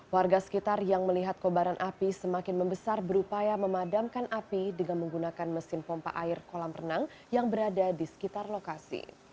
warga sekitar yang melihat kobaran api semakin membesar berupaya memadamkan api dengan menggunakan mesin pompa air kolam renang yang berada di sekitar lokasi